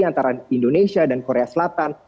antara indonesia dan korea selatan